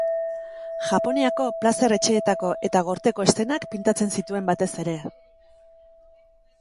Japoniako plazer-etxeetako eta gorteko eszenak pintatzen zituen batez ere.